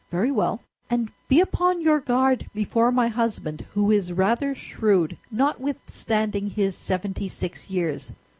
"Very well." "And be upon your guard before my husband, who is rather shrewd, notwithstanding his seventy six years."